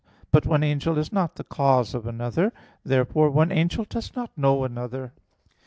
But one angel is not the cause of another. Therefore one angel does not know another.